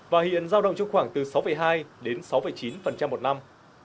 và hiện giao động trong khoảng từ sáu hai đến sáu chín một năm